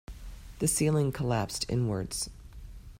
The ceiling collapsed inwards.